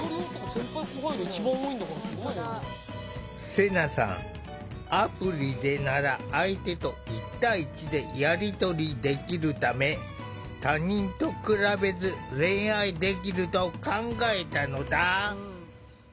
セナさん、アプリでなら相手と１対１でやりとりできるため他人と比べず恋愛できると考えたのだ。